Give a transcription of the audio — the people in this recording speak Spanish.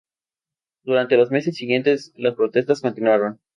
Durante los meses siguientes las protestas continuaron.